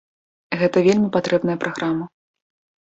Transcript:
Гэта вельмі патрэбная праграма.